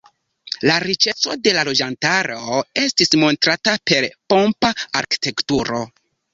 La riĉeco de la loĝantaro estis montrata per pompa arkitekturo.